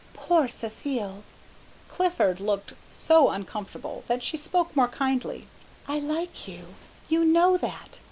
Poor Cécile!" Clifford looked so uncomfortable that she spoke more kindly. "I like you. You know that.